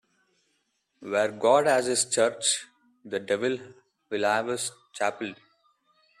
Where God has his church, the devil will have his chapel.